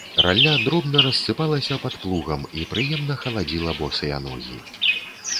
Ралля дробна рассыпалася пад плугам і прыемна халадзіла босыя ногі.